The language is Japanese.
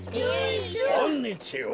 こんにちは。